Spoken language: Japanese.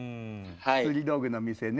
釣り道具の店ね。